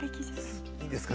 いいですか？